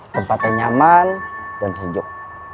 tempatnya nyaman dan sejuk